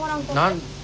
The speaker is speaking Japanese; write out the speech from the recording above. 何。